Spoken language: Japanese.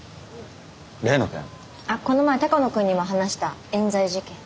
あっこの前鷹野君にも話したえん罪事件。